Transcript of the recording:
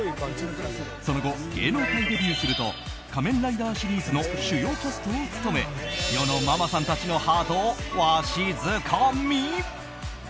その後、芸能界デビューすると「仮面ライダー」シリーズの主要キャストを務め世のママさんたちのハートをわしづかみ！